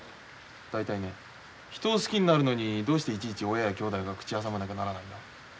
大体ね人を好きになるのにどうしていちいち親やきょうだいが口を挟まなきゃならないんだ。